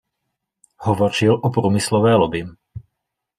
Hovořil o průmyslové lobby.